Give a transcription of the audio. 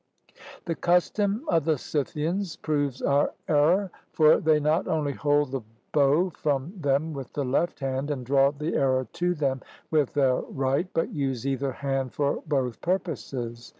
The custom of the Scythians proves our error; for they not only hold the bow from them with the left hand and draw the arrow to them with their right, but use either hand for both purposes.